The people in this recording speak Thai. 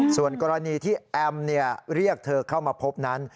ส่วนกรณีที่แอมเรียกเธอเข้ามาพบนั้น